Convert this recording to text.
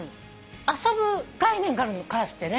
遊ぶ概念があるのカラスってね。